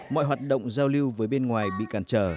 mọi hoạt động giao lưu với bên ngoài bị cản trở